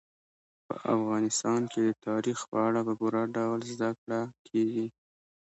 په افغانستان کې د تاریخ په اړه په پوره ډول زده کړه کېږي.